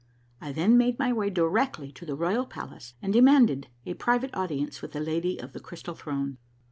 I then made my way directly to the royal palace and demanded a private audience with the Lady of the Crystal Throne.